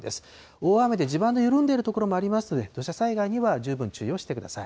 大雨で地盤の緩んでいる所がありますので、土砂災害には十分注意をしてください。